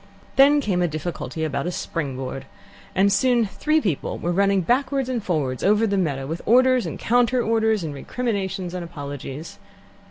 Then came a difficulty about a spring board, and soon three people were running backwards and forwards over the meadow, with orders and counter orders and recriminations and apologies.